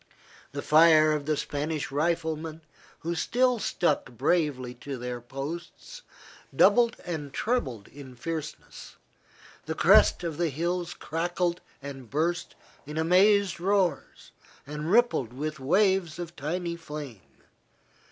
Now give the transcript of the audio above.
The fire of the Spanish riflemen, who still stuck bravely to their posts, doubled and trebled in fierceness, the crests of the hills crackled and burst in amazed roars, and rippled with waves of tiny flame.